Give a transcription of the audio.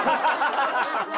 ハハハハ！